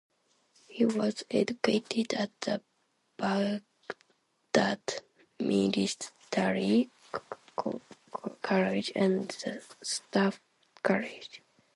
He was educated at the Baghdad Military College and the Staff College.